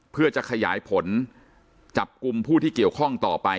เพื่อจะขยายผลจับกลุ่มผู้ที่เกี่ยวข้องต่อไป